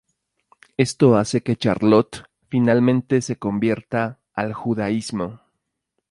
Esto hace que Charlotte finalmente se convierta al judaísmo.